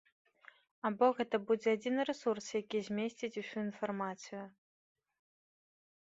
Або гэта будзе адзіны рэсурс, які змесціць усю інфармацыю.